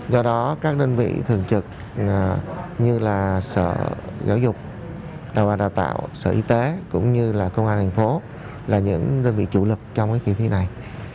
do đó các đơn vị thường trực như sở giáo dục đào tạo sở y tế cũng như công an tp hcm là những đơn vị chủ lực trong kỳ thi này